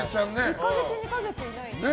１か月２か月いないんですか。